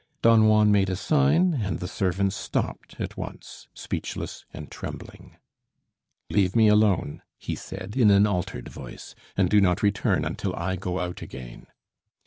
Don Juan made a sign and the servants stopped at once, speechless and trembling. "Leave me alone," he said in an altered voice, "and do not return until I go out again."